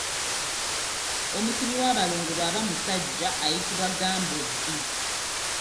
Omusibi w'abalongo bw'aba omusajja ayitibwa ggambobbi.